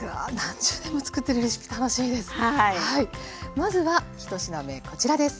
まずは１品目こちらです。